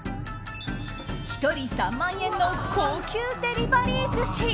１人３万円の高級デリバリー寿司。